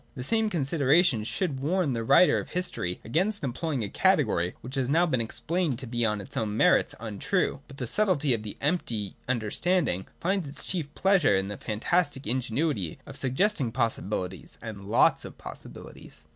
The same consideration should warn the writer of history against employing a category which has now been explained to be on its own merits untrue : but the subtlety of the empty un 143 J POSSIBILITY. 261 derstanding finds its chief pleasure in the fantastic inge nuity of suggesting possibihties and lots of possibilities.